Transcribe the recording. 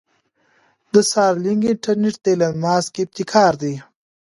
د سټارلنک انټرنټ د ايلان مسک ابتکار دې.